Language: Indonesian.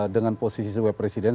dengan posisi sewe presiden